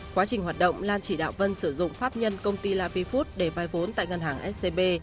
quá trình hoạt động lan chỉ đạo vân sử dụng pháp nhân công ty lapi food để vai vốn tại ngân hàng scb